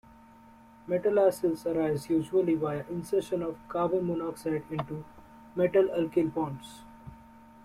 Metal acyls arise usually via insertion of carbon monoxide into metal-alkyl bonds.